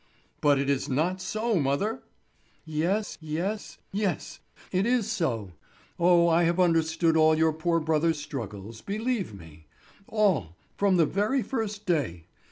"But it is not so, mother." "Yes, yes, yes, it is so! Oh, I have understood all your poor brother's struggles, believe me! All—from the very first day.